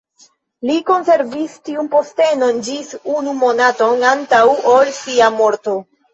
Li konservis tiun postenon ĝis unu monaton antaŭ ol sia morto.